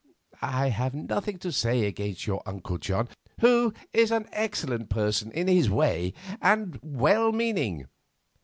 I have nothing to say against your uncle John, who is an excellent person in his way, and well meaning.